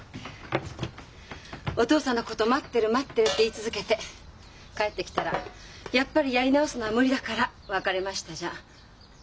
お父さんのこと待ってる待ってるって言い続けて帰ってきたら「やっぱりやり直すのは無理だから別れました」じゃ